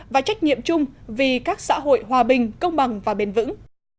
và trách nhiệm chung vì các xã hội hòa bình công bằng và bền vững